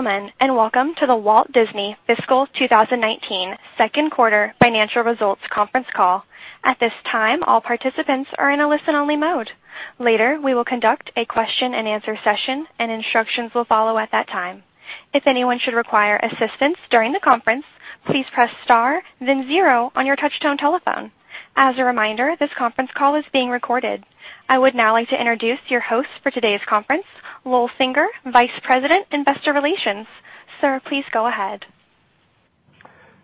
Welcome to The Walt Disney Fiscal 2019 Second Quarter Financial Results Conference Call. At this time, all participants are in a listen-only mode. Later, we will conduct a question-and-answer session, and instructions will follow at that time. If anyone should require assistance during the conference, please press star then 0 on your touch-tone telephone. As a reminder, this conference call is being recorded. I would now like to introduce your host for today's conference, Lowell Singer, Vice President, Investor Relations. Sir, please go ahead.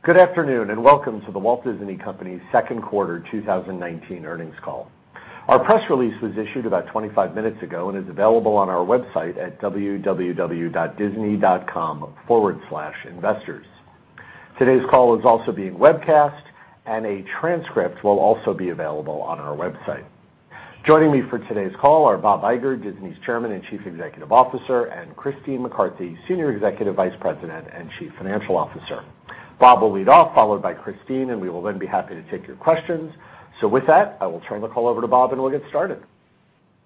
Good afternoon, welcome to The Walt Disney Company's second quarter 2019 earnings call. Our press release was issued about 25 minutes ago and is available on our website at www.disney.com/investors. Today's call is also being webcast, a transcript will also be available on our website. Joining me for today's call are Bob Iger, Disney's Chairman and Chief Executive Officer, and Christine McCarthy, Senior Executive Vice President and Chief Financial Officer. Bob will lead off, followed by Christine, we will then be happy to take your questions. With that, I will turn the call over to Bob and we'll get started.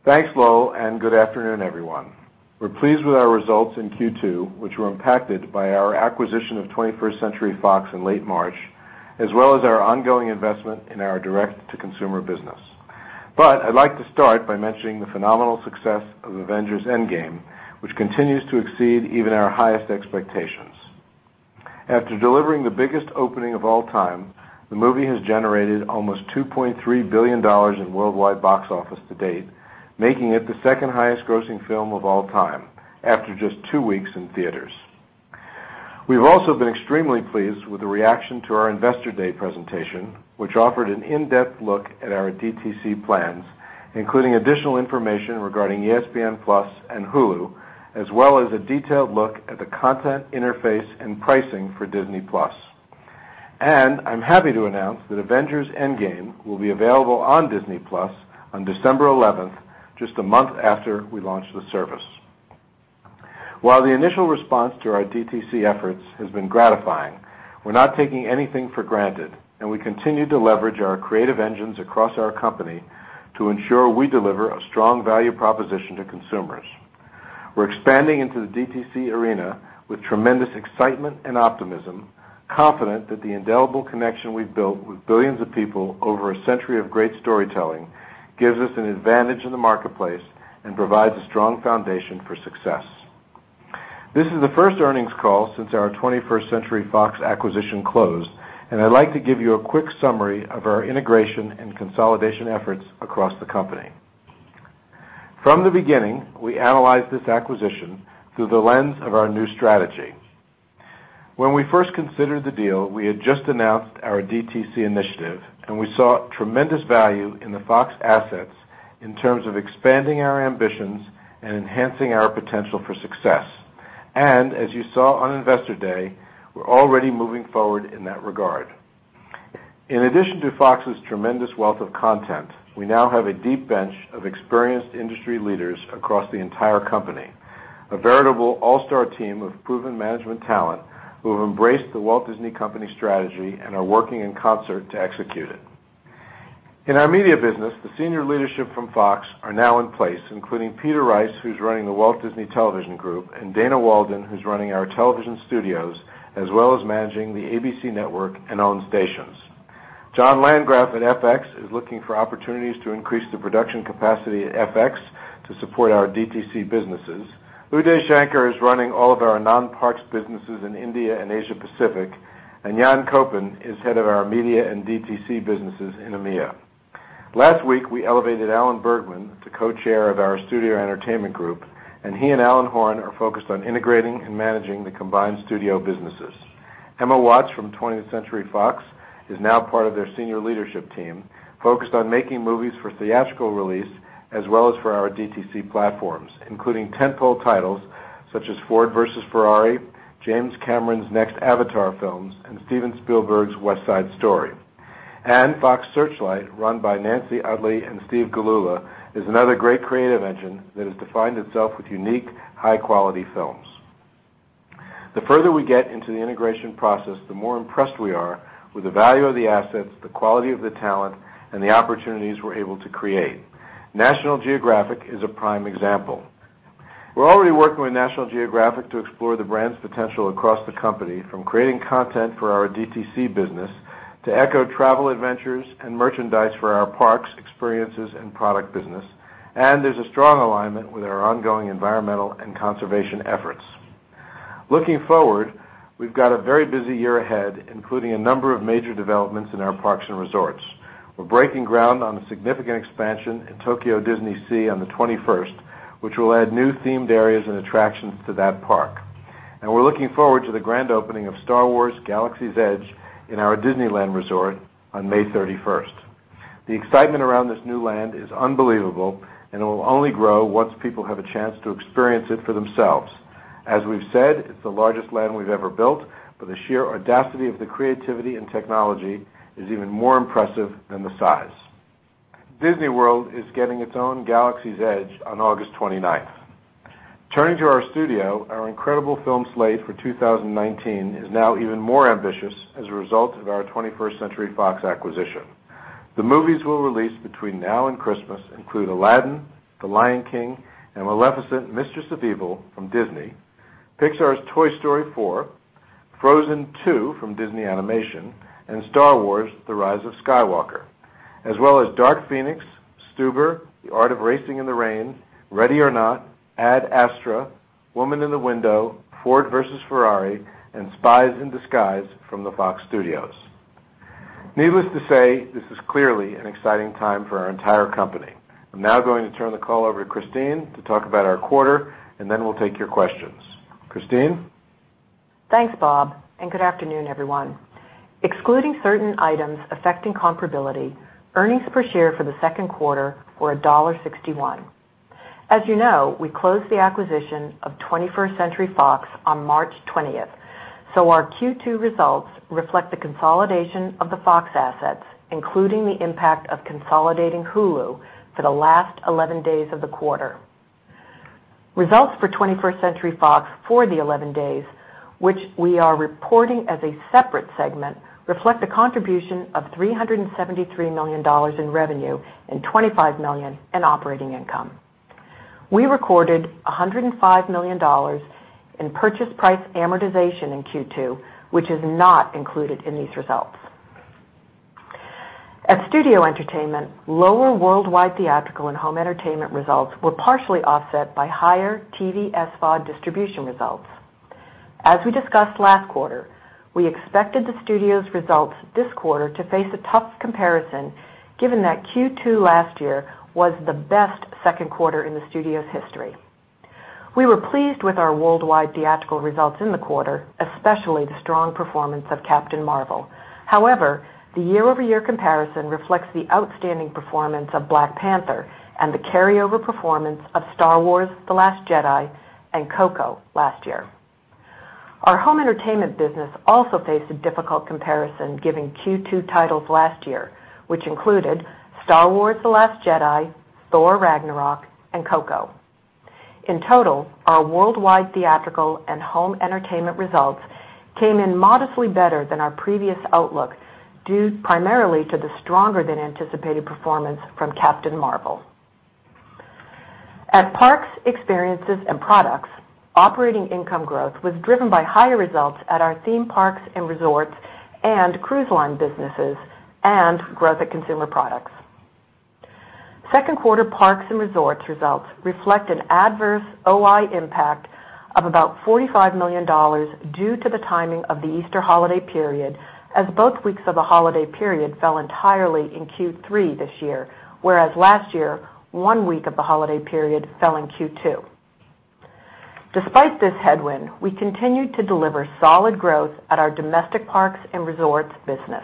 Thanks, Lowell, good afternoon, everyone. We're pleased with our results in Q2, which were impacted by our acquisition of 21st Century Fox in late March, as well as our ongoing investment in our direct-to-consumer business. I'd like to start by mentioning the phenomenal success of Avengers: Endgame, which continues to exceed even our highest expectations. After delivering the biggest opening of all time, the movie has generated almost $2.3 billion in worldwide box office to date, making it the second highest grossing film of all time after just two weeks in theaters. We've also been extremely pleased with the reaction to our Investor Day presentation, which offered an in-depth look at our DTC plans, including additional information regarding ESPN+ and Hulu, as well as a detailed look at the content interface and pricing for Disney+. I'm happy to announce that Avengers: Endgame will be available on Disney+ on December 11th, just a month after we launch the service. While the initial response to our DTC efforts has been gratifying, we're not taking anything for granted, we continue to leverage our creative engines across our company to ensure we deliver a strong value proposition to consumers. We're expanding into the DTC arena with tremendous excitement and optimism, confident that the indelible connection we've built with billions of people over a century of great storytelling gives us an advantage in the marketplace and provides a strong foundation for success. This is the first earnings call since our 21st Century Fox acquisition closed, I'd like to give you a quick summary of our integration and consolidation efforts across the company. From the beginning, we analyzed this acquisition through the lens of our new strategy. When we first considered the deal, we had just announced our DTC initiative, we saw tremendous value in the Fox assets in terms of expanding our ambitions and enhancing our potential for success. As you saw on Investor Day, we're already moving forward in that regard. In addition to Fox's tremendous wealth of content, we now have a deep bench of experienced industry leaders across the entire company, a veritable all-star team of proven management talent who have embraced The Walt Disney Company strategy and are working in concert to execute it. In our media business, the senior leadership from Fox are now in place, including Peter Rice, who's running the Walt Disney Television Group, and Dana Walden, who's running our television studios, as well as managing the ABC network and owned stations. John Landgraf at FX is looking for opportunities to increase the production capacity at FX to support our DTC businesses. Uday Shankar is running all of our non-parks businesses in India and Asia Pacific, Jan Koeppen is head of our media and DTC businesses in EMEA. Last week, we elevated Alan Bergman to co-chair of our Studio Entertainment Group, he and Alan Horn are focused on integrating and managing the combined studio businesses. Emma Watts from 20th Century Fox is now part of their senior leadership team, focused on making movies for theatrical release as well as for our DTC platforms, including tentpole titles such as Ford v Ferrari, James Cameron's next Avatar films, and Steven Spielberg's West Side Story. Fox Searchlight, run by Nancy Utley and Steve Gilula, is another great creative engine that has defined itself with unique, high-quality films. The further we get into the integration process, the more impressed we are with the value of the assets, the quality of the talent, and the opportunities we're able to create. National Geographic is a prime example. We're already working with National Geographic to explore the brand's potential across the company, from creating content for our DTC business to echo travel adventures and merchandise for our parks, experiences, and product business, there's a strong alignment with our ongoing environmental and conservation efforts. Looking forward, we've got a very busy year ahead, including a number of major developments in our parks and resorts. We're breaking ground on a significant expansion in Tokyo DisneySea on the 21st, which will add new themed areas and attractions to that park. We're looking forward to the grand opening of Star Wars: Galaxy's Edge in our Disneyland Resort on May 31st. The excitement around this new land is unbelievable, it will only grow once people have a chance to experience it for themselves. As we've said, it's the largest land we've ever built, the sheer audacity of the creativity and technology is even more impressive than the size. Disney World is getting its own Galaxy's Edge on August 29th. Turning to our studio, our incredible film slate for 2019 is now even more ambitious as a result of our 21st Century Fox acquisition. The movies we'll release between now and Christmas include "Aladdin," "The Lion King," and "Maleficent: Mistress of Evil" from Disney, Pixar's "Toy Story 4," "Frozen 2" from Disney Animation, and "Star Wars: The Rise of Skywalker," as well as "Dark Phoenix," "Stuber," "The Art of Racing in the Rain," "Ready or Not," "Ad Astra," "The Woman in the Window," "Ford v. Ferrari," and "Spies in Disguise" from the Fox Studios. Needless to say, this is clearly an exciting time for our entire company. I'm now going to turn the call over to Christine to talk about our quarter, and then we'll take your questions. Christine? Thanks, Bob, and good afternoon, everyone. Excluding certain items affecting comparability, earnings per share for the second quarter were $1.61. As you know, we closed the acquisition of 21st Century Fox on March 20th, our Q2 results reflect the consolidation of the Fox assets, including the impact of consolidating Hulu for the last 11 days of the quarter. Results for 21st Century Fox for the 11 days, which we are reporting as a separate segment, reflect a contribution of $373 million in revenue and $25 million in Operating Income. We recorded $105 million in purchase price amortization in Q2, which is not included in these results. At Studio Entertainment, lower worldwide theatrical and home entertainment results were partially offset by higher TV SVOD distribution results. As we discussed last quarter, we expected the Studio's results this quarter to face a tough comparison given that Q2 last year was the best second quarter in the Studio's history. We were pleased with our worldwide theatrical results in the quarter, especially the strong performance of "Captain Marvel." The year-over-year comparison reflects the outstanding performance of "Black Panther" and the carryover performance of "Star Wars: The Last Jedi" and "Coco" last year. Our home entertainment business also faced a difficult comparison given Q2 titles last year, which included "Star Wars: The Last Jedi," "Thor: Ragnarok," and "Coco." In total, our worldwide theatrical and home entertainment results came in modestly better than our previous outlook due primarily to the stronger than anticipated performance from "Captain Marvel." At Parks, Experiences, and Products, Operating Income growth was driven by higher results at our theme Parks and Resorts and cruise line businesses and growth at Consumer Products. Second quarter Parks and Resorts results reflect an adverse OI impact of about $45 million due to the timing of the Easter holiday period, as both weeks of the holiday period fell entirely in Q3 this year, whereas last year, one week of the holiday period fell in Q2. Despite this headwind, we continued to deliver solid growth at our domestic Parks and Resorts business.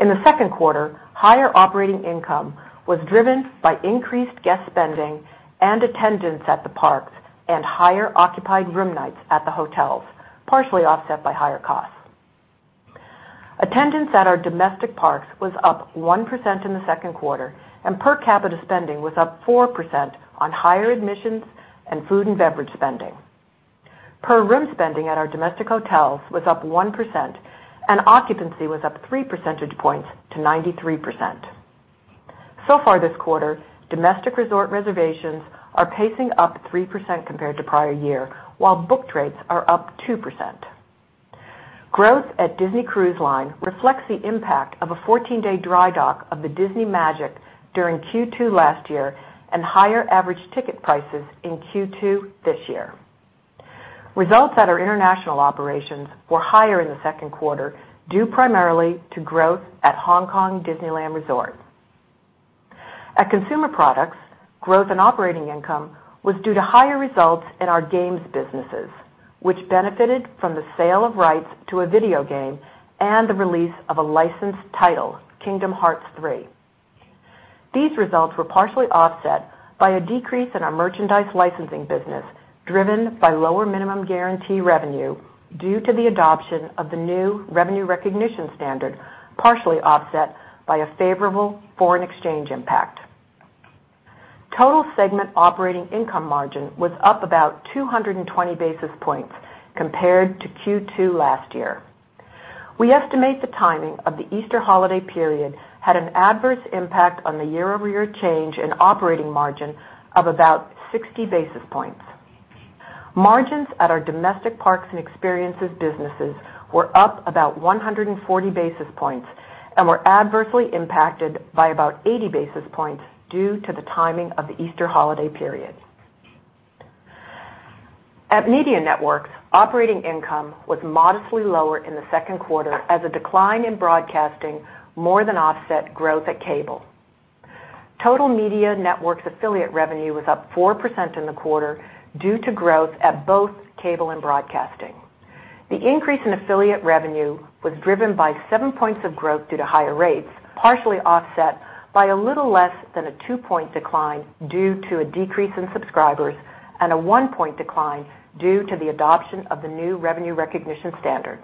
In the second quarter, higher operating income was driven by increased guest spending and attendance at the parks and higher occupied room nights at the hotels, partially offset by higher costs. Attendance at our domestic parks was up 1% in the second quarter, and per capita spending was up 4% on higher admissions and food and beverage spending. Per room spending at our domestic hotels was up 1%, and occupancy was up three percentage points to 93%. So far this quarter, domestic resort reservations are pacing up 3% compared to prior year, while booked rates are up 2%. Growth at Disney Cruise Line reflects the impact of a 14-day dry dock of the Disney Magic during Q2 last year and higher average ticket prices in Q2 this year. Results at our international operations were higher in the second quarter, due primarily to growth at Hong Kong Disneyland Resort. At Consumer Products, growth and operating income was due to higher results in our games businesses, which benefited from the sale of rights to a video game and the release of a licensed title, "Kingdom Hearts III." These results were partially offset by a decrease in our merchandise licensing business driven by lower minimum guarantee revenue due to the adoption of the new revenue recognition standard, partially offset by a favorable foreign exchange impact. Total segment operating income margin was up about 220 basis points compared to Q2 last year. We estimate the timing of the Easter holiday period had an adverse impact on the year-over-year change in operating margin of about 60 basis points. Margins at our domestic parks and experiences businesses were up about 140 basis points and were adversely impacted by about 80 basis points due to the timing of the Easter holiday period. At Media Networks, operating income was modestly lower in the second quarter as a decline in broadcasting more than offset growth at cable. Total Media Networks affiliate revenue was up 4% in the quarter due to growth at both cable and broadcasting. The increase in affiliate revenue was driven by seven points of growth due to higher rates, partially offset by a little less than a two-point decline due to a decrease in subscribers and a one-point decline due to the adoption of the new revenue recognition standard.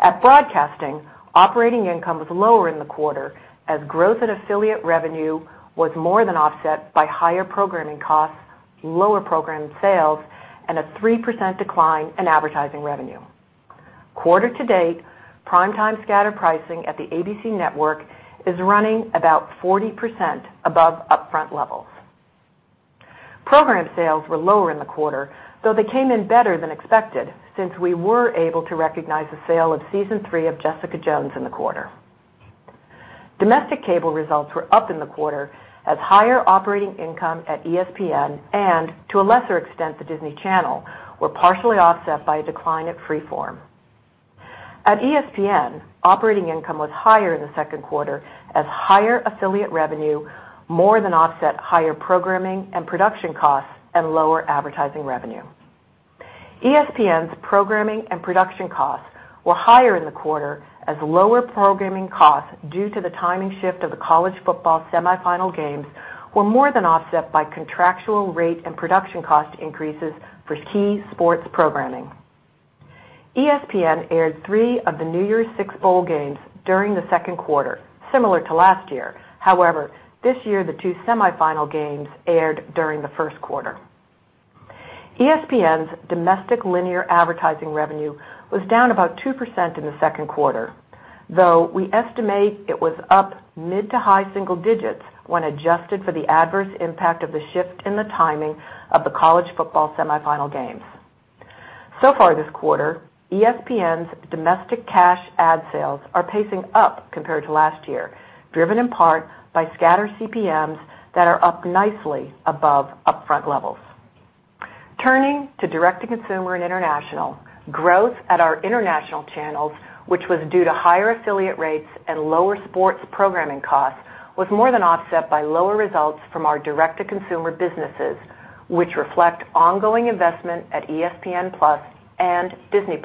At broadcasting, operating income was lower in the quarter as growth in affiliate revenue was more than offset by higher programming costs, lower program sales and a 3% decline in advertising revenue. Quarter to date, prime time scatter pricing at the ABC Network is running about 40% above upfront levels. Program sales were lower in the quarter, though they came in better than expected since we were able to recognize the sale of season three of "Jessica Jones" in the quarter. Domestic cable results were up in the quarter as higher operating income at ESPN and, to a lesser extent, the Disney Channel, were partially offset by a decline at Freeform. At ESPN, operating income was higher in the second quarter as higher affiliate revenue more than offset higher programming and production costs and lower advertising revenue. ESPN's programming and production costs were higher in the quarter as lower programming costs due to the timing shift of the college football semifinal games were more than offset by contractual rate and production cost increases for key sports programming. ESPN aired three of the New Year's six bowl games during the second quarter, similar to last year. However, this year, the two semifinal games aired during the first quarter. ESPN's domestic linear advertising revenue was down about 2% in the second quarter, though we estimate it was up mid to high single digits when adjusted for the adverse impact of the shift in the timing of the college football semifinal games. So far this quarter, ESPN's domestic cash ad sales are pacing up compared to last year, driven in part by scatter CPMs that are up nicely above upfront levels. Turning to direct-to-consumer and international, growth at our international channels, which was due to higher affiliate rates and lower sports programming costs, was more than offset by lower results from our direct-to-consumer businesses, which reflect ongoing investment at ESPN+ and Disney+,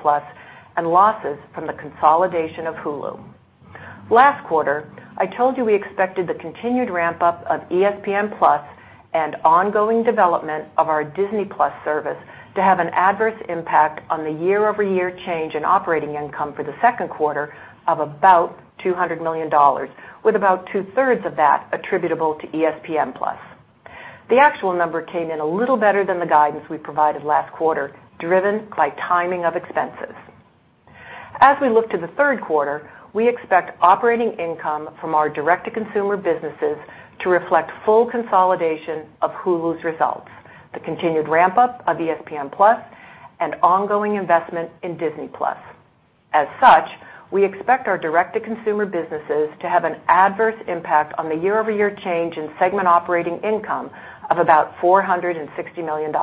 and losses from the consolidation of Hulu. Last quarter, I told you we expected the continued ramp-up of ESPN+ and ongoing development of our Disney+ service to have an adverse impact on the year-over-year change in operating income for the second quarter of about $200 million, with about two-thirds of that attributable to ESPN+. The actual number came in a little better than the guidance we provided last quarter, driven by timing of expenses. As we look to the third quarter, we expect operating income from our direct-to-consumer businesses to reflect full consolidation of Hulu's results, the continued ramp-up of ESPN+, and ongoing investment in Disney+. As such, we expect our direct-to-consumer businesses to have an adverse impact on the year-over-year change in segment operating income of about $460 million.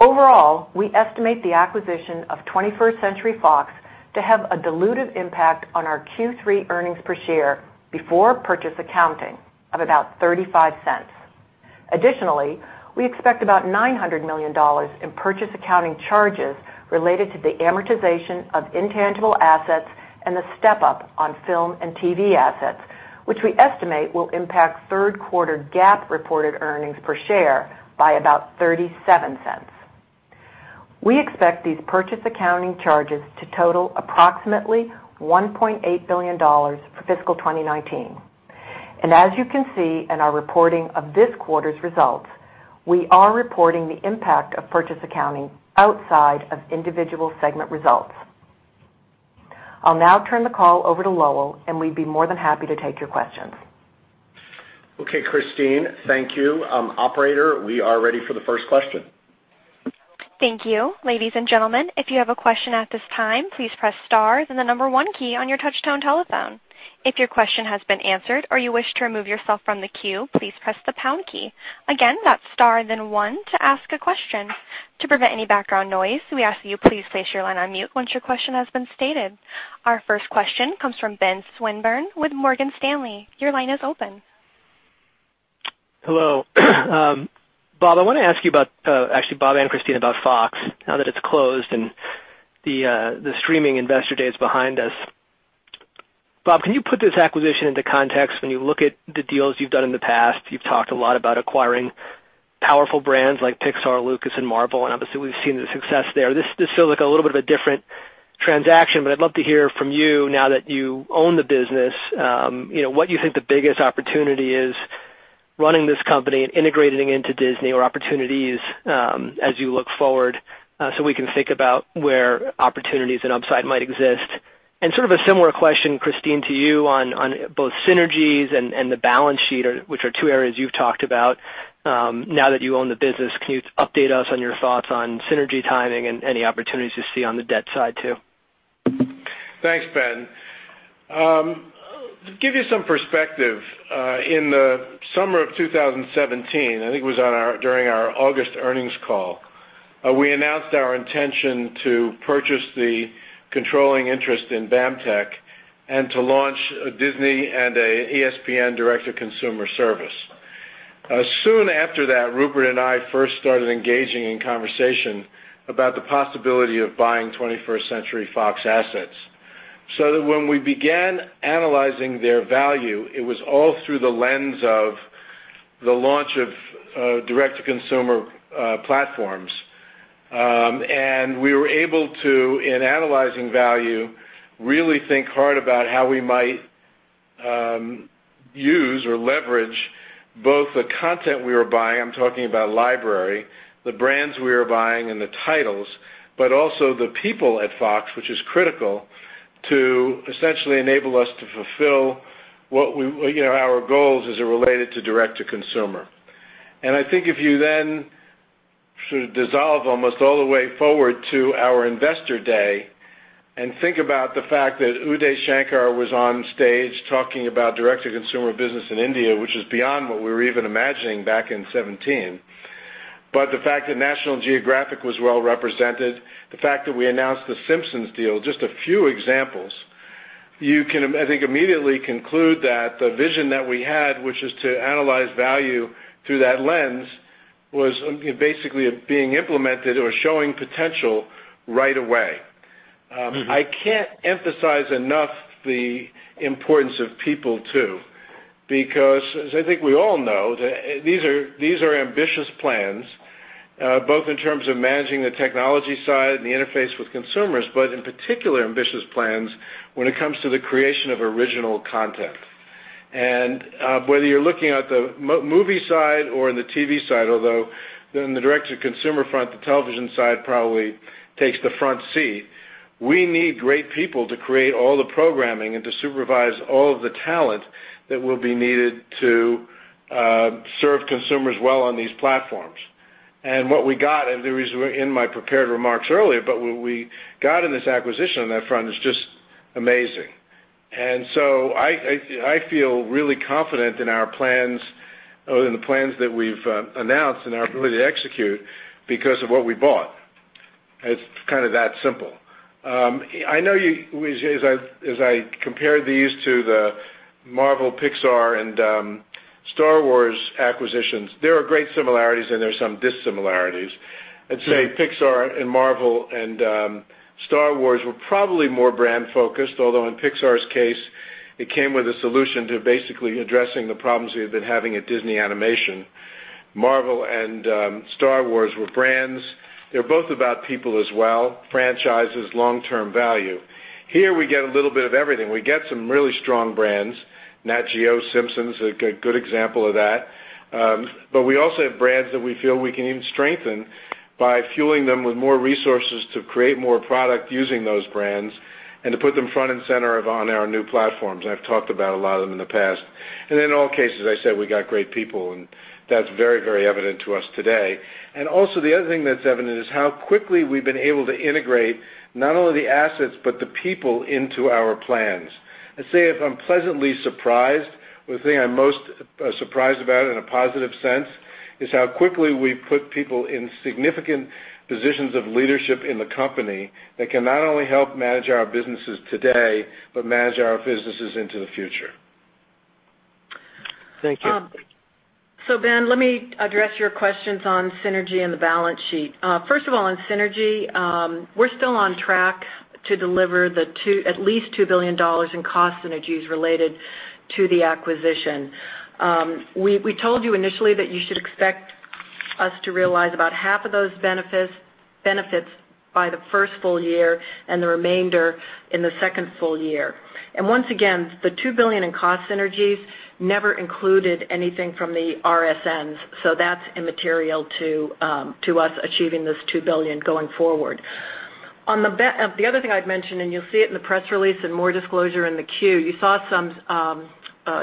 Overall, we estimate the acquisition of 21st Century Fox to have a dilutive impact on our Q3 earnings per share before purchase accounting of about $0.35. Additionally, we expect about $900 million in purchase accounting charges related to the amortization of intangible assets and the step-up on film and TV assets, which we estimate will impact third quarter GAAP reported earnings per share by about $0.37. We expect these purchase accounting charges to total approximately $1.8 billion for fiscal 2019. As you can see in our reporting of this quarter's results, we are reporting the impact of purchase accounting outside of individual segment results. I'll now turn the call over to Lowell, and we'd be more than happy to take your questions. Okay, Christine, thank you. Operator, we are ready for the first question. Thank you. Ladies and gentlemen, if you have a question at this time, please press star, then the number one key on your touchtone telephone. If your question has been answered or you wish to remove yourself from the queue, please press the pound key. Again, that's star then one to ask a question. To prevent any background noise, we ask that you please place your line on mute once your question has been stated. Our first question comes from Benjamin Swinburne with Morgan Stanley. Your line is open. Hello. Bob, I want to ask you about, actually Bob and Christine, about Fox now that it's closed and the streaming investor day is behind us. Bob, can you put this acquisition into context when you look at the deals you've done in the past? You've talked a lot about acquiring powerful brands like Pixar, Lucas, and Marvel, and obviously we've seen the success there. This feels like a little bit of a different transaction, but I'd love to hear from you now that you own the business, what you think the biggest opportunity is running this company and integrating into Disney or opportunities as you look forward so we can think about where opportunities and upside might exist. Sort of a similar question, Christine, to you on both synergies and the balance sheet, which are two areas you've talked about. Now that you own the business, can you update us on your thoughts on synergy timing and any opportunities you see on the debt side too? Thanks, Ben. To give you some perspective, in the summer of 2017, I think it was during our August earnings call, we announced our intention to purchase the controlling interest in BAMTech and to launch a Disney and an ESPN direct-to-consumer service. Soon after that, Rupert and I first started engaging in conversation about the possibility of buying 21st Century Fox assets. When we began analyzing their value, it was all through the lens of the launch of direct-to-consumer platforms. We were able to, in analyzing value, really think hard about how we might use or leverage both the content we were buying, I'm talking about library, the brands we were buying and the titles, but also the people at Fox, which is critical to essentially enable us to fulfill our goals as it related to direct-to-consumer. I think if you then sort of dissolve almost all the way forward to our Investor Day and think about the fact that Uday Shankar was on stage talking about direct-to-consumer business in India, which is beyond what we were even imagining back in 2017. The fact that National Geographic was well represented, the fact that we announced The Simpsons deal, just a few examples. You can, I think, immediately conclude that the vision that we had, which is to analyze value through that lens, was basically being implemented or showing potential right away. I can't emphasize enough the importance of people, too. As I think we all know, these are ambitious plans, both in terms of managing the technology side and the interface with consumers, but in particular, ambitious plans when it comes to the creation of original content. Whether you're looking at the movie side or in the TV side, although in the direct-to-consumer front, the television side probably takes the front seat. We need great people to create all the programming and to supervise all of the talent that will be needed to serve consumers well on these platforms. What we got, and the reason we're in my prepared remarks earlier, but what we got in this acquisition on that front is just amazing. I feel really confident in our plans that we've announced and our ability to execute because of what we bought. It's kind of that simple. I know you, as I compared these to the Marvel, Pixar, and Star Wars acquisitions, there are great similarities and there's some dissimilarities. I'd say Pixar and Marvel and Star Wars were probably more brand focused, although in Pixar's case, it came with a solution to basically addressing the problems we had been having at Disney Animation. Marvel and Star Wars were brands. They're both about people as well, franchises, long-term value. Here we get a little bit of everything. We get some really strong brands. Nat Geo, The Simpsons, a good example of that. We also have brands that we feel we can even strengthen by fueling them with more resources to create more product using those brands and to put them front and center on our new platforms. I've talked about a lot of them in the past. In all cases, I said we got great people and that's very, very evident to us today. Also the other thing that's evident is how quickly we've been able to integrate not only the assets, but the people into our plans. I'd say if I'm pleasantly surprised, the thing I'm most surprised about in a positive sense is how quickly we put people in significant positions of leadership in the company that can not only help manage our businesses today, but manage our businesses into the future. Thank you. Ben, let me address your questions on synergy and the balance sheet. First of all, on synergy, we're still on track to deliver at least $2 billion in cost synergies related to the acquisition. We told you initially that you should expect us to realize about half of those benefits by the first full year and the remainder in the second full year. Once again, the $2 billion in cost synergies never included anything from the RSNs, so that's immaterial to us achieving this $2 billion going forward. The other thing I'd mention, and you'll see it in the press release and more disclosure in the Form 10-Q, you saw some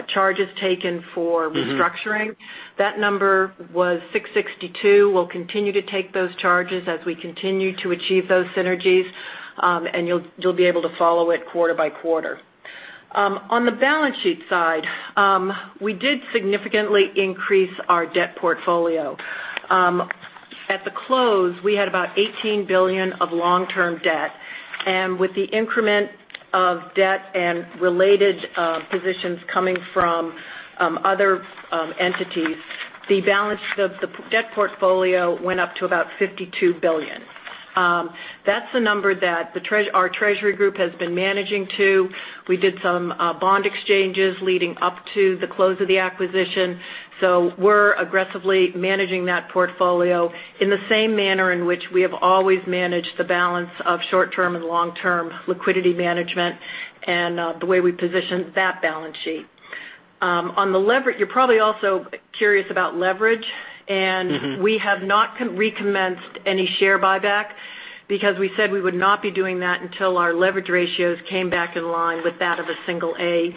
charges taken for restructuring. That number was $662. We'll continue to take those charges as we continue to achieve those synergies, and you'll be able to follow it quarter by quarter. On the balance sheet side, we did significantly increase our debt portfolio. At the close, we had about $18 billion of long-term debt, and with the increment of debt and related positions coming from other entities, the balance of the debt portfolio went up to about $52 billion. That's the number that our treasury group has been managing to. We did some bond exchanges leading up to the close of the acquisition. We're aggressively managing that portfolio in the same manner in which we have always managed the balance of short-term and long-term liquidity management and the way we position that balance sheet. You're probably also curious about leverage, and we have not recommenced any share buyback because we said we would not be doing that until our leverage ratios came back in line with that of a single A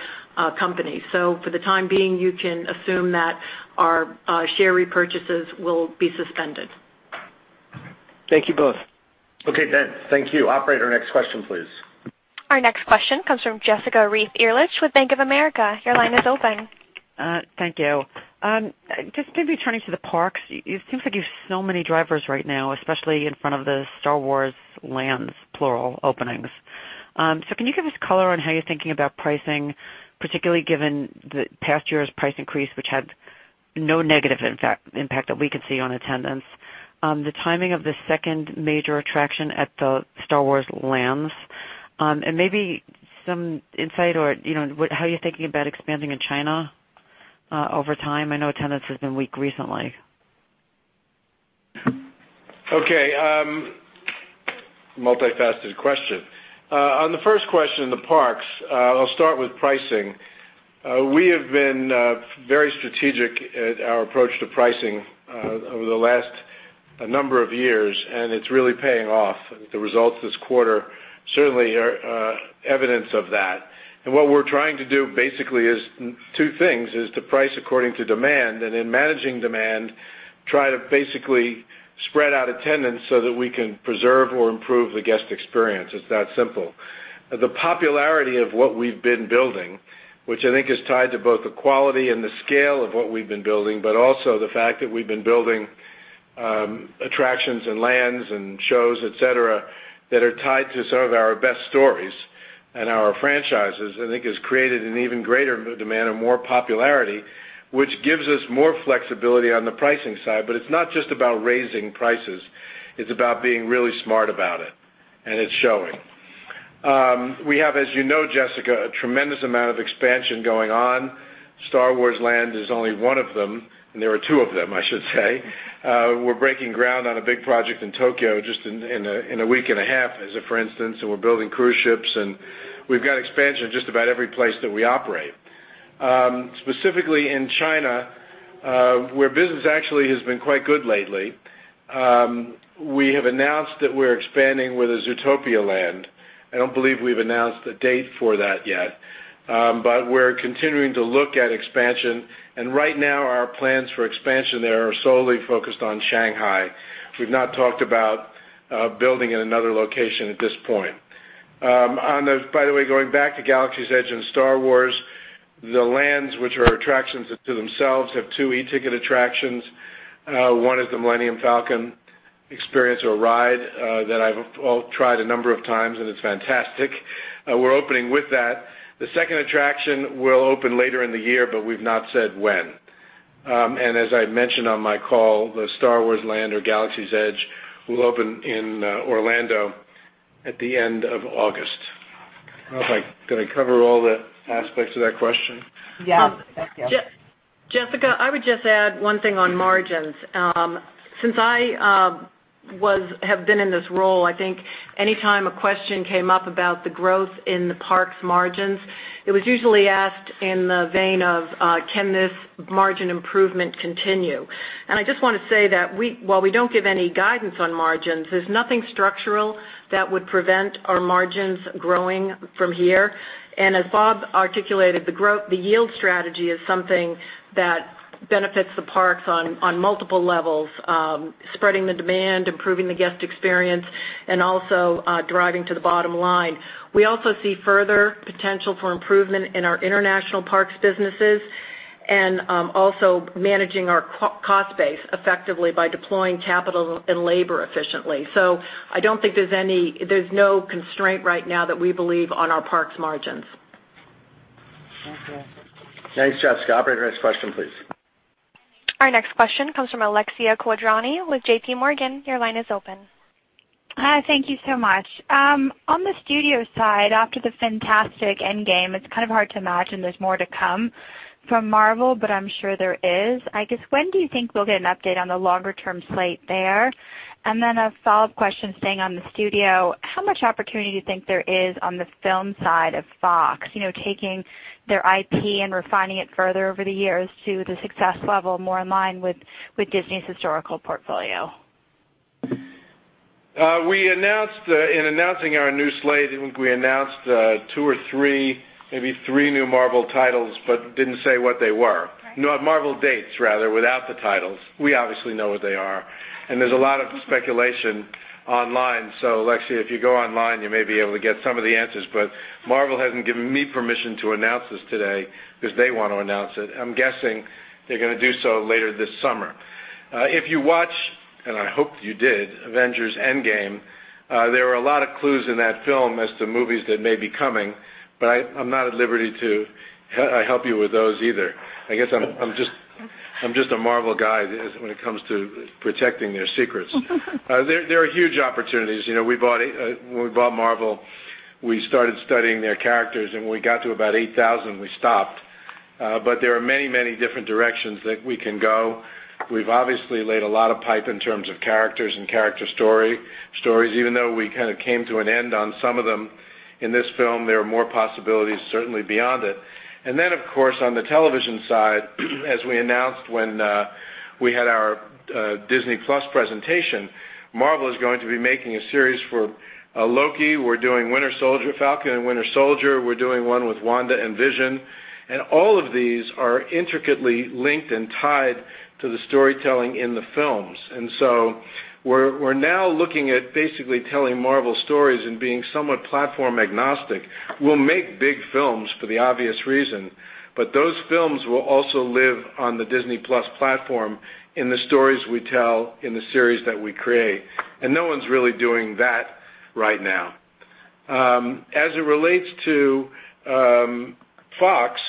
company. For the time being, you can assume that our share repurchases will be suspended. Thank you both. Okay, Ben. Thank you. Operator, next question, please. Our next question comes from Jessica Reif Ehrlich with Bank of America. Your line is open. Thank you. Just maybe turning to the parks, it seems like you have so many drivers right now, especially in front of the Star Wars Lands, plural, openings. Can you give us color on how you're thinking about pricing, particularly given the past year's price increase, which had no negative impact that we could see on attendance? The timing of the second major attraction at the Star Wars Lands, and maybe some insight or how you're thinking about expanding in China over time. I know attendance has been weak recently. Okay. Multifaceted question. On the first question, the parks, I'll start with pricing. We have been very strategic at our approach to pricing over the last number of years, and it's really paying off. The results this quarter certainly are evidence of that. What we're trying to do basically is two things, is to price according to demand and in managing demand, try to basically spread out attendance so that we can preserve or improve the guest experience. It's that simple. The popularity of what we've been building, which I think is tied to both the quality and the scale of what we've been building, but also the fact that we've been building attractions and lands and shows, et cetera, that are tied to some of our best stories and our franchises, I think has created an even greater demand and more popularity, which gives us more flexibility on the pricing side. It's not just about raising prices, it's about being really smart about it, and it's showing. We have, as you know, Jessica, a tremendous amount of expansion going on. Star Wars Land is only one of them, and there are two of them, I should say. We're breaking ground on a big project in Tokyo just in a week and a half, as a for instance, we're building cruise ships, and we've got expansion in just about every place that we operate. Specifically in China, where business actually has been quite good lately, we have announced that we're expanding with a Zootopia Land. I don't believe we've announced a date for that yet. We're continuing to look at expansion, and right now our plans for expansion there are solely focused on Shanghai. We've not talked about building in another location at this point. By the way, going back to Galaxy's Edge and Star Wars, the lands, which are attractions unto themselves, have two e-ticket attractions. One is the Millennium Falcon experience or ride, that I've tried a number of times and it's fantastic. We're opening with that. The second attraction will open later in the year, we've not said when. As I mentioned on my call, the Star Wars Land or Galaxy's Edge will open in Orlando at the end of August. Did I cover all the aspects of that question? Yeah. Thank you. Jessica, I would just add one thing on margins. Since I have been in this role, I think anytime a question came up about the growth in the parks margins, it was usually asked in the vein of, can this margin improvement continue? I just want to say that while we don't give any guidance on margins, there's nothing structural that would prevent our margins growing from here. As Bob articulated, the yield strategy is something that benefits the parks on multiple levels, spreading the demand, improving the guest experience, and also driving to the bottom line. We also see further potential for improvement in our international parks businesses and also managing our cost base effectively by deploying capital and labor efficiently. I don't think there's no constraint right now that we believe on our parks margins. Thank you. Thanks, Jessica. Operator, next question, please. Our next question comes from Alexia Quadrani with JPMorgan. Your line is open. Hi, thank you so much. On the studio side, after the fantastic "Endgame," it's hard to imagine there's more to come from Marvel, but I'm sure there is. I guess, when do you think we'll get an update on the longer-term slate there? Then a follow-up question staying on the studio, how much opportunity do you think there is on the film side of Fox? Taking their IP and refining it further over the years to the success level more in line with Disney's historical portfolio? In announcing our new slate, I think we announced two or three, maybe three new Marvel titles, but didn't say what they were. Right. Marvel dates rather, without the titles. We obviously know what they are. There's a lot of speculation online. Alexia, if you go online, you may be able to get some of the answers, but Marvel hasn't given me permission to announce this today because they want to announce it. I'm guessing they're going to do so later this summer. If you watch, and I hope you did, "Avengers: Endgame," there are a lot of clues in that film as to movies that may be coming, but I'm not at liberty to help you with those either. I guess I'm just a Marvel guy when it comes to protecting their secrets. There are huge opportunities. When we bought Marvel, we started studying their characters and when we got to about 8,000, we stopped. There are many different directions that we can go. We've obviously laid a lot of pipe in terms of characters and character stories. Even though we came to an end on some of them in this film, there are more possibilities certainly beyond it. Of course, on the television side, as we announced when we had our Disney+ presentation, Marvel is going to be making a series for Loki. We're doing Falcon and Winter Soldier. We're doing one with WandaVision. All of these are intricately linked and tied to the storytelling in the films. We're now looking at basically telling Marvel stories and being somewhat platform agnostic. We'll make big films for the obvious reason, but those films will also live on the Disney+ platform in the stories we tell in the series that we create. No one's really doing that right now. As it relates to Fox,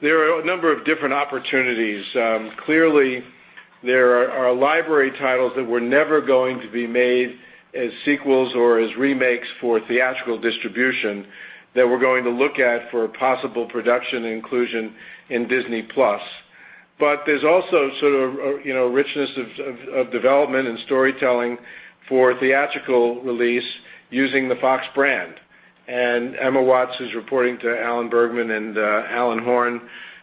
there are a number of different opportunities. Clearly, there are library titles that were never going to be made as sequels or as remakes for theatrical distribution that we're going to look at for a possible production inclusion in Disney+. There's also sort of a richness of development and storytelling for theatrical release using the Fox brand. Emma Watts is reporting to Alan Bergman, and Alan Horn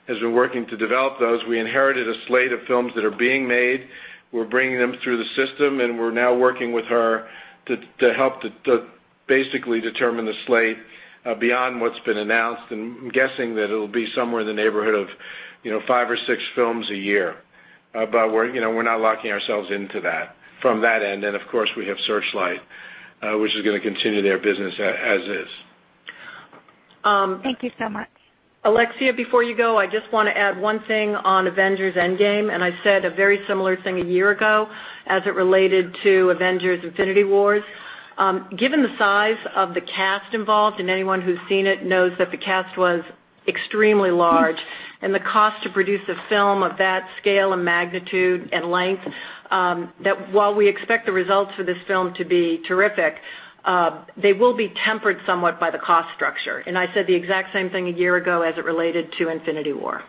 has been working to develop those. We inherited a slate of films that are being made. We're bringing them through the system, and we're now working with her to help to basically determine the slate beyond what's been announced, and I'm guessing that it'll be somewhere in the neighborhood of five or six films a year. We're not locking ourselves into that from that end. Of course, we have Searchlight, which is going to continue their business as is. Thank you so much. Alexia, before you go, I just want to add one thing on Avengers: Endgame. I said a very similar thing a year ago as it related to Avengers: Infinity War. Given the size of the cast involved, anyone who's seen it knows that the cast was extremely large, the cost to produce a film of that scale and magnitude and length, that while we expect the results for this film to be terrific, they will be tempered somewhat by the cost structure. I said the exact same thing a year ago as it related to Infinity War.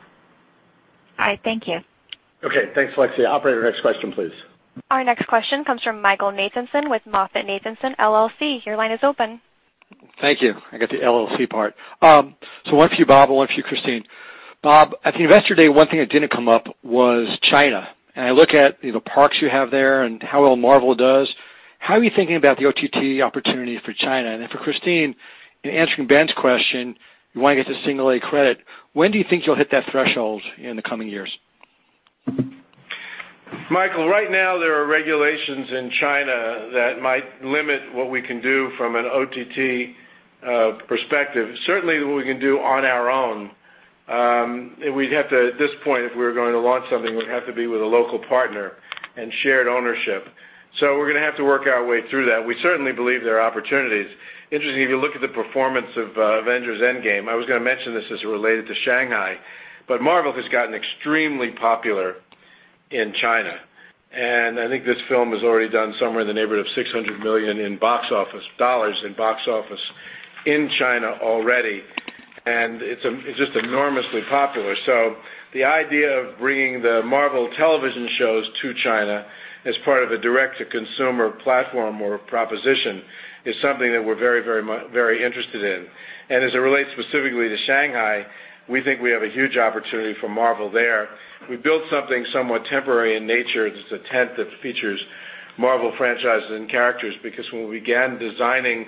All right. Thank you. Okay. Thanks, Alexia. Operator, next question, please. Our next question comes from Michael Nathanson with MoffettNathanson LLC. Your line is open. Thank you. I got the LLC part. One for you, Bob, and one for you, Christine. Bob, at the Investor Day, one thing that didn't come up was China. I look at the parks you have there and how well Marvel does. How are you thinking about the OTT opportunity for China? For Christine, in answering Ben's question, you want to get to single A credit. When do you think you'll hit that threshold in the coming years? Michael, right now there are regulations in China that might limit what we can do from an OTT perspective. Certainly what we can do on our own. At this point, if we were going to launch something, it would have to be with a local partner and shared ownership. We're going to have to work our way through that. We certainly believe there are opportunities. Interesting, if you look at the performance of Avengers: Endgame, I was going to mention this as it related to Shanghai, but Marvel has gotten extremely popular in China. I think this film has already done somewhere in the neighborhood of $600 million in box office in China already. It's just enormously popular. The idea of bringing the Marvel television shows to China as part of a direct-to-consumer platform or proposition is something that we're very interested in. As it relates specifically to Shanghai, we think we have a huge opportunity for Marvel there. We built something somewhat temporary in nature. It's a tent that features Marvel franchises and characters because when we began designing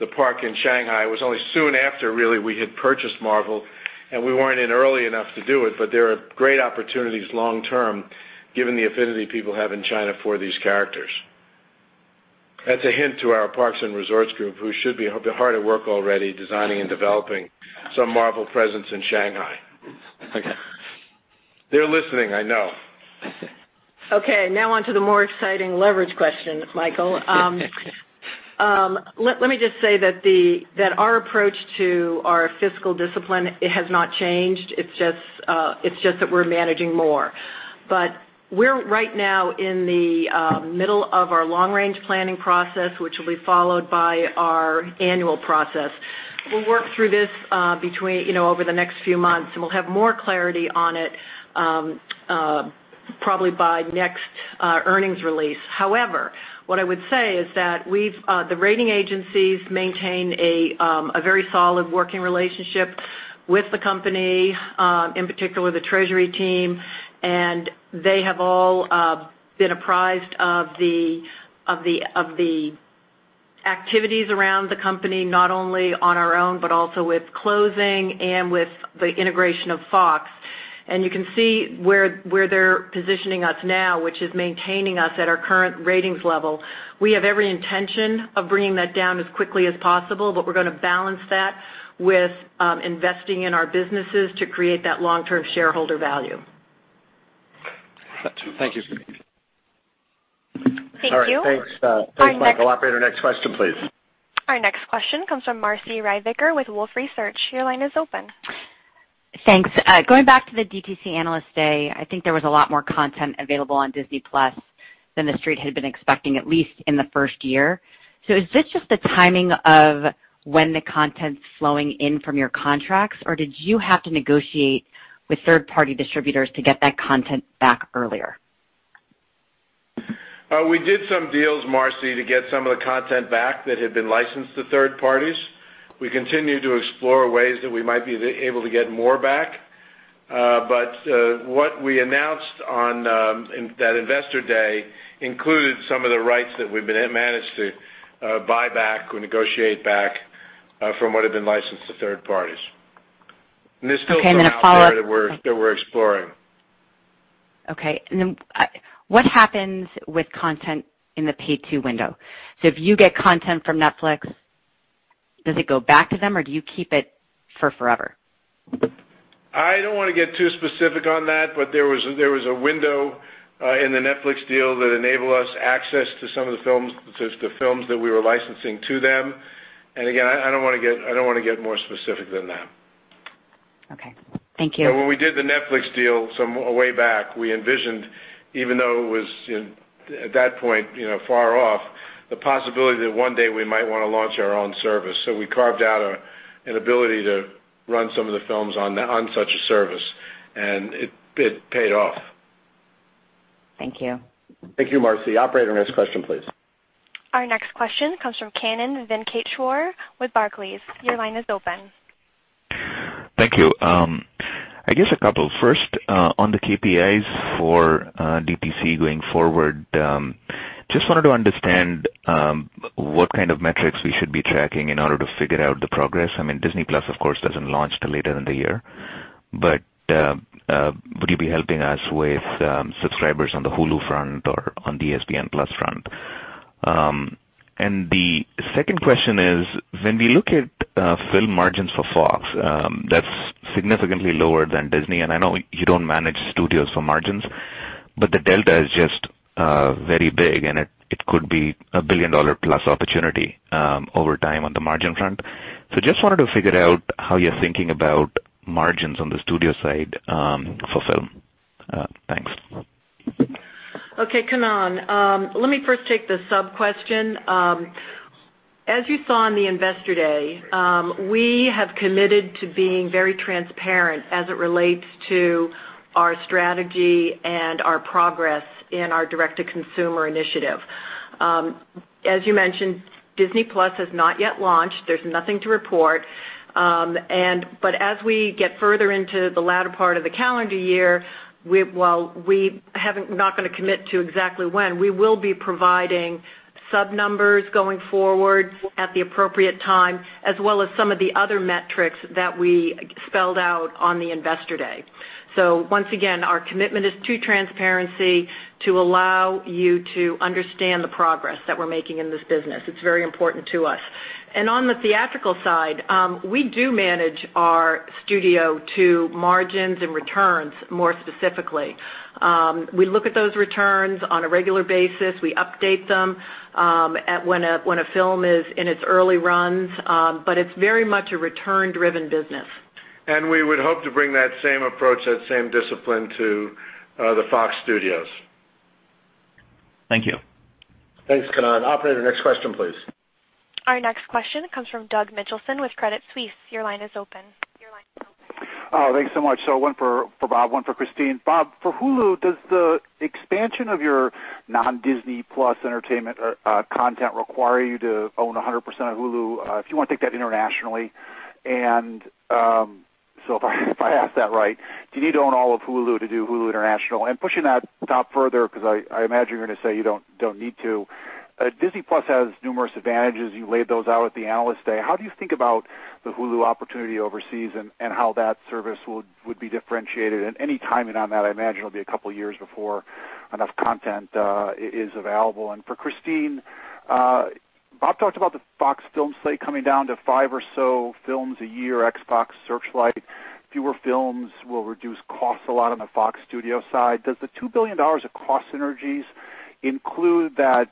the park in Shanghai, it was only soon after really we had purchased Marvel, and we weren't in early enough to do it, but there are great opportunities long term given the affinity people have in China for these characters. That's a hint to our parks and resorts group, who should be hard at work already designing and developing some Marvel presence in Shanghai. Okay. They're listening, I know. Okay, now on to the more exciting leverage question, Michael. Let me just say that our approach to our fiscal discipline, it has not changed. It's just that we're managing more. We're right now in the middle of our long-range planning process, which will be followed by our annual process. We'll work through this over the next few months, and we'll have more clarity on it probably by next earnings release. However, what I would say is that the rating agencies maintain a very solid working relationship with the company, in particular the treasury team, and they have all been apprised of the activities around the company, not only on our own but also with closing and with the integration of Fox. You can see where they're positioning us now, which is maintaining us at our current ratings level. We have every intention of bringing that down as quickly as possible, but we're going to balance that with investing in our businesses to create that long-term shareholder value. Thank you. Thank you. All right. Thanks, Michael. Operator, next question, please. Our next question comes from Marci Ryvicker with Wolfe Research. Your line is open. Thanks. Going back to the DTC Analyst Day, I think there was a lot more content available on Disney+ than the Street had been expecting, at least in the first year. Is this just the timing of when the content's flowing in from your contracts, or did you have to negotiate with third-party distributors to get that content back earlier? We did some deals, Marci, to get some of the content back that had been licensed to third parties. We continue to explore ways that we might be able to get more back. What we announced on that Investor Day included some of the rights that we've managed to buy back or negotiate back from what had been licensed to third parties. There's still some out there that we're exploring. Okay. Then what happens with content in the pay two window? If you get content from Netflix, does it go back to them, or do you keep it for forever? I don't want to get too specific on that, there was a window in the Netflix deal that enabled us access to some of the films that we were licensing to them. Again, I don't want to get more specific than that. Okay. Thank you. When we did the Netflix deal some way back, we envisioned Even though it was at that point far off, the possibility that one day we might want to launch our own service. We carved out an ability to run some of the films on such a service, and it paid off. Thank you. Thank you, Marci. Operator, next question, please. Our next question comes from Kannan Venkateshwar with Barclays. Your line is open. Thank you. I guess a couple. First, on the KPIs for DTC going forward, just wanted to understand what kind of metrics we should be tracking in order to figure out the progress. I mean, Disney+, of course, doesn't launch till later in the year, but would you be helping us with subscribers on the Hulu front or on the ESPN+ front? The second question is, when we look at film margins for Fox, that's significantly lower than Disney, and I know you don't manage studios for margins, but the delta is just very big, and it could be a billion-dollar-plus opportunity over time on the margin front. Just wanted to figure out how you're thinking about margins on the studio side for film. Thanks. Okay, Kannan. Let me first take the sub-question. As you saw on the Investor Day, we have committed to being very transparent as it relates to our strategy and our progress in our direct-to-consumer initiative. As you mentioned, Disney+ has not yet launched. There's nothing to report. As we get further into the latter part of the calendar year, while we're not going to commit to exactly when, we will be providing sub numbers going forward at the appropriate time, as well as some of the other metrics that we spelled out on the Investor Day. Once again, our commitment is to transparency to allow you to understand the progress that we're making in this business. It's very important to us. On the theatrical side, we do manage our studio to margins and returns more specifically. We look at those returns on a regular basis. We update them when a film is in its early runs, but it's very much a return-driven business. We would hope to bring that same approach, that same discipline to the Fox Studios. Thank you. Thanks, Kannan. Operator, next question, please. Our next question comes from Doug Mitchelson with Credit Suisse. Your line is open. Thanks so much. One for Bob, one for Christine. Bob, for Hulu, does the expansion of your non-Disney+ entertainment content require you to own 100% of Hulu if you want to take that internationally? If I ask that right, do you need to own all of Hulu to do Hulu International? Pushing that thought further, because I imagine you're going to say you don't need to. Disney+ has numerous advantages. You laid those out at the Analyst Day. How do you think about the Hulu opportunity overseas and how that service would be differentiated? Any timing on that, I imagine it'll be a couple of years before enough content is available. For Christine, Bob talked about the Fox film slate coming down to five or so films a year, Fox Searchlight. Fewer films will reduce costs a lot on the Fox Studio side. Does the $2 billion of cost synergies include that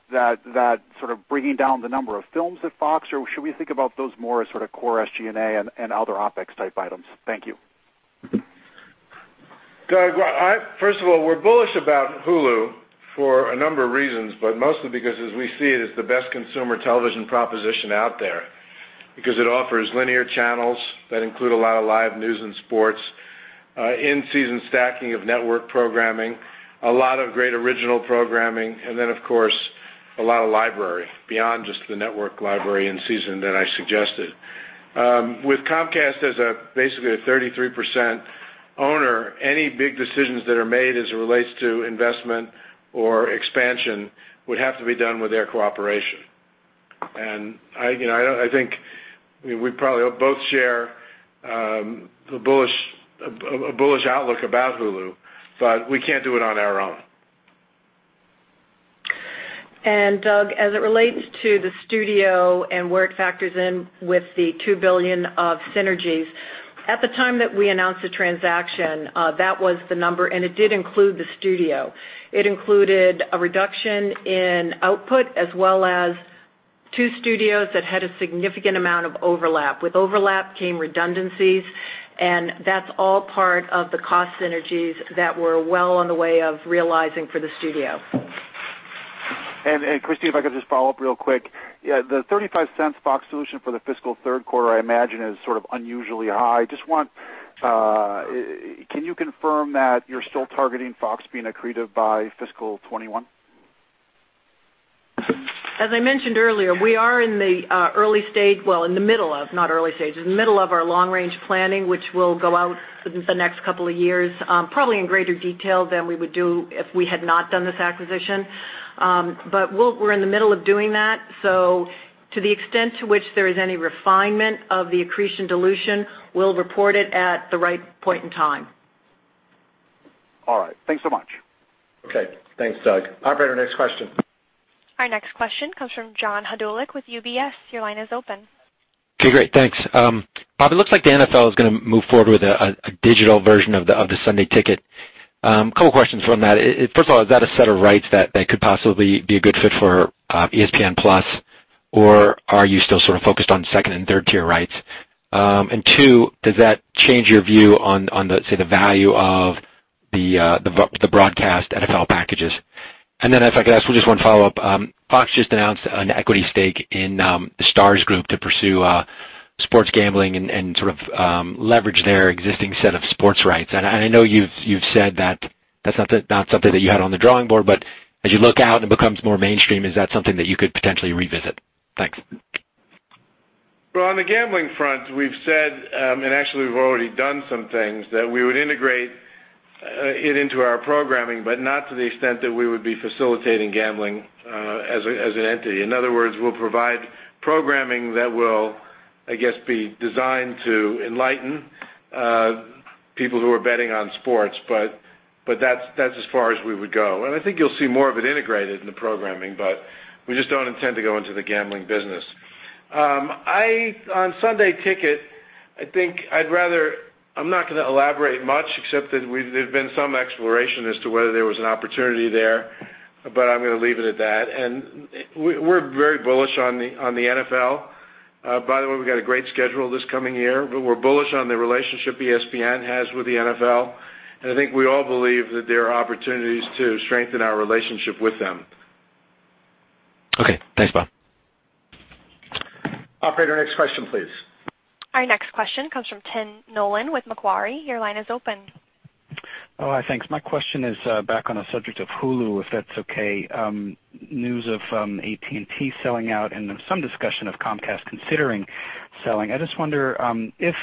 sort of bringing down the number of films at Fox? Should we think about those more as sort of core SG&A and other OpEx type items? Thank you. Doug, first of all, we're bullish about Hulu for a number of reasons, but mostly because as we see it's the best consumer television proposition out there because it offers linear channels that include a lot of live news and sports, in-season stacking of network programming, a lot of great original programming, then, of course, a lot of library beyond just the network library in season that I suggested. With Comcast as basically a 33% owner, any big decisions that are made as it relates to investment or expansion would have to be done with their cooperation. I think we probably both share a bullish outlook about Hulu, but we can't do it on our own. Doug, as it relates to the studio and where it factors in with the $2 billion of synergies, at the time that we announced the transaction, that was the number, and it did include the studio. It included a reduction in output as well as two studios that had a significant amount of overlap. With overlap came redundancies, and that's all part of the cost synergies that we're well on the way of realizing for the studio. Christine, if I could just follow up real quick. The $0.35 Fox dilution for the fiscal third quarter I imagine is sort of unusually high. Can you confirm that you're still targeting Fox being accretive by fiscal 2021? As I mentioned earlier, we are in the middle of our long range planning, which will go out for the next couple of years, probably in greater detail than we would do if we had not done this acquisition. We're in the middle of doing that. To the extent to which there is any refinement of the accretion dilution, we'll report it at the right point in time. All right. Thanks so much. Okay. Thanks, Doug. Operator, next question. Our next question comes from John Hodulik with UBS. Your line is open. Okay, great. Thanks. Bob, it looks like the NFL is going to move forward with a digital version of the Sunday Ticket. Couple questions from that. First of all, is that a set of rights that could possibly be a good fit for ESPN+? Are you still sort of focused on second and third-tier rights? Two, does that change your view on the, say, the value of the broadcast NFL packages? Then if I could ask for just one follow-up. Fox just announced an equity stake in The Stars Group to pursue sports gambling and sort of leverage their existing set of sports rights. I know you've said that that's not something that you had on the drawing board, but as you look out and it becomes more mainstream, is that something that you could potentially revisit? Thanks. Well, on the gambling front, we've said, and actually we've already done some things that we would integrate it into our programming, but not to the extent that we would be facilitating gambling, as an entity. In other words, we'll provide programming that will, I guess, be designed to enlighten people who are betting on sports. That's as far as we would go. I think you'll see more of it integrated in the programming, but we just don't intend to go into the gambling business. On Sunday Ticket, I think I'd rather I'm not going to elaborate much except that there's been some exploration as to whether there was an opportunity there, but I'm going to leave it at that. We're very bullish on the NFL. By the way, we've got a great schedule this coming year. We're bullish on the relationship ESPN has with the NFL, I think we all believe that there are opportunities to strengthen our relationship with them. Okay, thanks, Bob. Operator, next question, please. Our next question comes from Tim Nollen with Macquarie. Your line is open. Oh, thanks. My question is back on the subject of Hulu, if that's okay. News of AT&T selling out and then some discussion of Comcast considering selling. I just wonder, if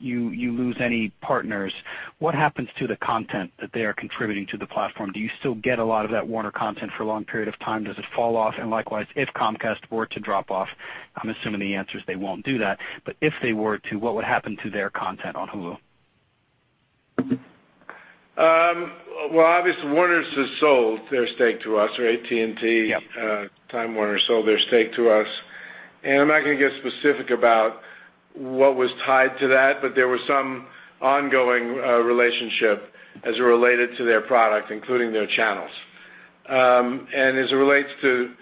you lose any partners, what happens to the content that they are contributing to the platform? Do you still get a lot of that Warner content for a long period of time? Does it fall off? Likewise, if Comcast were to drop off, I'm assuming the answer is they won't do that, but if they were to, what would happen to their content on Hulu? Well, obviously Time Warner has sold their stake to us, or AT&T. Yep. Time Warner sold their stake to us. I'm not going to get specific about what was tied to that. There was some ongoing relationship as it related to their product, including their channels. As it relates to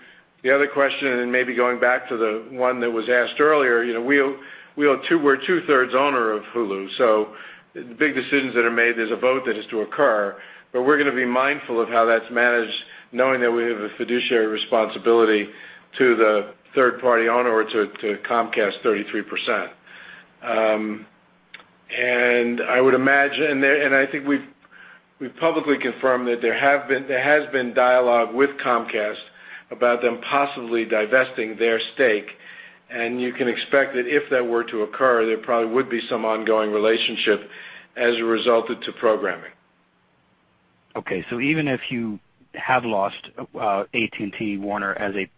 the other question, and maybe going back to the one that was asked earlier, we're two-thirds owner of Hulu. The big decisions that are made, there's a vote that is to occur, but we're going to be mindful of how that's managed, knowing that we have a fiduciary responsibility to the third-party owner or to Comcast 33%. I would imagine, and I think we've publicly confirmed that there has been dialogue with Comcast about them possibly divesting their stake. You can expect that if that were to occur, there probably would be some ongoing relationship as a result into programming. Okay. Even if you have lost AT&T and Warner as a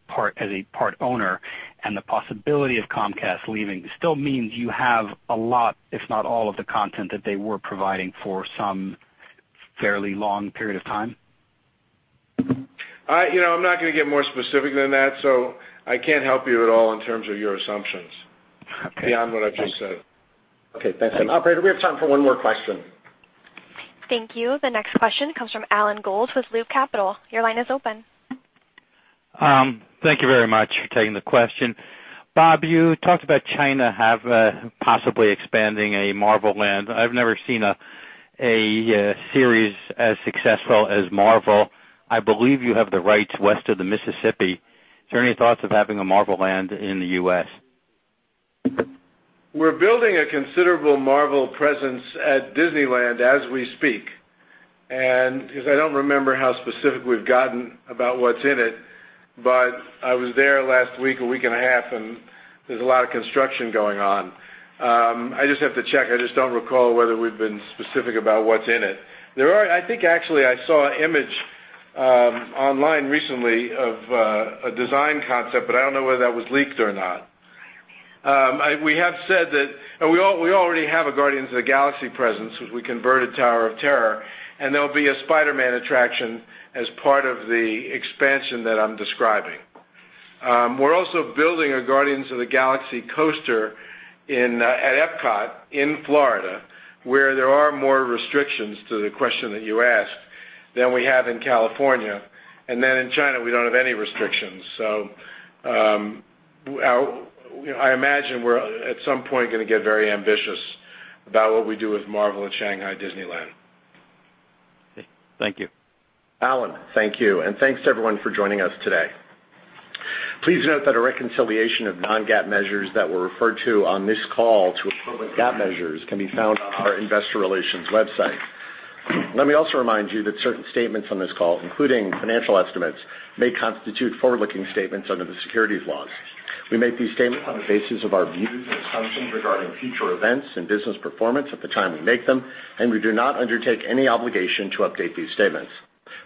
part owner and the possibility of Comcast leaving, it still means you have a lot, if not all of the content that they were providing for some fairly long period of time? I'm not going to get more specific than that, I can't help you at all in terms of your assumptions. Okay beyond what I've just said. Okay, thanks. Tim. Operator, we have time for one more question. Thank you. The next question comes from Alan Gould with Loop Capital. Your line is open. Thank you very much for taking the question. Bob, you talked about China possibly expanding a Marvel Land. I've never seen a series as successful as Marvel. I believe you have the rights west of the Mississippi. Is there any thoughts of having a Marvel Land in the U.S.? We're building a considerable Marvel presence at Disneyland as we speak. Because I don't remember how specific we've gotten about what's in it, but I was there last week, a week and a half, and there's a lot of construction going on. I just have to check. I just don't recall whether we've been specific about what's in it. I think actually I saw an image online recently of a design concept, but I don't know whether that was leaked or not. We already have a Guardians of the Galaxy presence, which we converted Tower of Terror, and there'll be a Spider-Man attraction as part of the expansion that I'm describing. We're also building a Guardians of the Galaxy coaster at Epcot in Florida, where there are more restrictions to the question that you asked than we have in California. Then in China, we don't have any restrictions. I imagine we're at some point going to get very ambitious about what we do with Marvel at Shanghai Disneyland. Okay, thank you. Alan, thank you. Thanks to everyone for joining us today. Please note that a reconciliation of non-GAAP measures that were referred to on this call to equivalent GAAP measures can be found on our investor relations website. Let me also remind you that certain statements on this call, including financial estimates, may constitute forward-looking statements under the securities laws. We make these statements on the basis of our views and assumptions regarding future events and business performance at the time we make them, and we do not undertake any obligation to update these statements.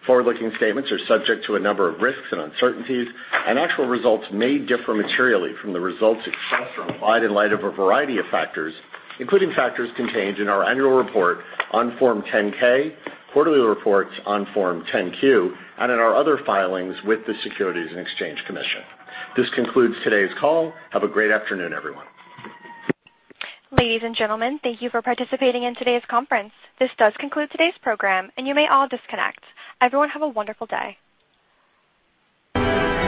Forward-looking statements are subject to a number of risks and uncertainties, actual results may differ materially from the results expressed or implied in light of a variety of factors, including factors contained in our annual report on Form 10-K, quarterly reports on Form 10-Q, and in our other filings with the Securities and Exchange Commission. This concludes today's call. Have a great afternoon, everyone. Ladies and gentlemen, thank you for participating in today's conference. This does conclude today's program, and you may all disconnect. Everyone, have a wonderful day.